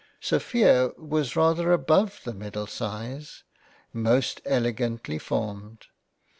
Sophia was rather above the middle size; most elegantly formed.